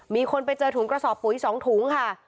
มีคนไปเจอถุงกระสอบปุ๋ย๒ถุงค่ะ